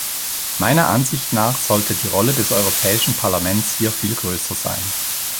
Meiner Ansicht nach sollte die Rolle des Europäischen Parlaments hier viel größer sein.